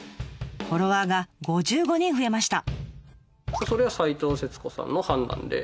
フォロワーが５５人増えました。